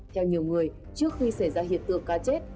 theo nhiều người trước khi xảy ra hiện tượng cá chết